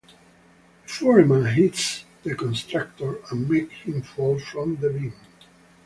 The foreman hits the contractor and make him fall from the beam.